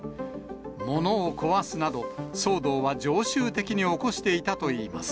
物を壊すなど、騒動は常習的に起こしていたといいます。